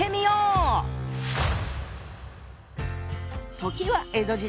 時は江戸時代。